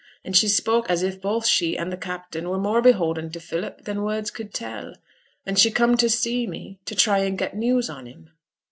And she spoke as if both she and t' captain were more beholden to Philip than words could tell. And she come to see me, to try and get news on him.